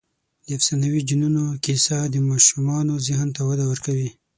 د افسانوي جنونو کیسه د ماشومانو ذهن ته وده ورکوي.